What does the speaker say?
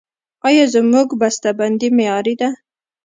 آیا زموږ بسته بندي معیاري ده؟